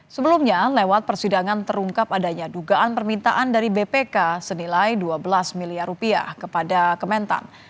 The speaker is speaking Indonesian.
sebelumnya lewat persidangan terungkap adanya dugaan permintaan dari bpk senilai dua belas miliar rupiah kepada kementan